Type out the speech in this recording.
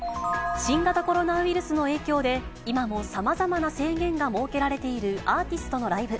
新型コロナウイルスの影響で、今もさまざまな制限が設けられているアーティストのライブ。